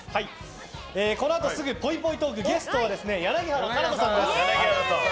このあとすぐぽいぽいトークゲストは柳原可奈子さんです。